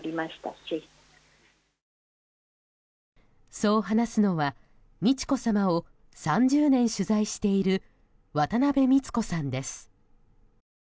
そう話すのは美智子さまを３０年取材している渡辺満子さんです。